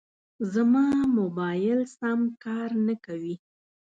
زما موبایل سم کار نه کوي.